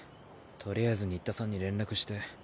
とりあえず新田さんに連絡して。